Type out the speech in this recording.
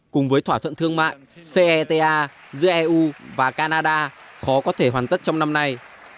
cùng với thỏa thuận thương mại ceta giữa eu và canada khó có thể hoàn tất trong năm nay